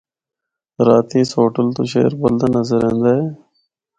راتیں اس ہوٹل تو شہرا بَلدا نظر ایندا اے۔